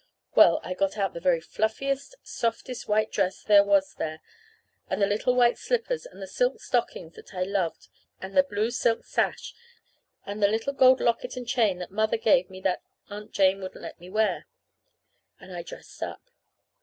Well, I got out the very fluffiest, softest white dress there was there, and the little white slippers and the silk stockings that I loved, and the blue silk sash, and the little gold locket and chain that Mother gave me that Aunt Jane wouldn't let me wear. And I dressed up.